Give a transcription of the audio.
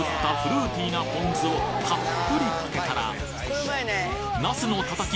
フルーティーなポン酢をたっぷりかけたらなすのたたき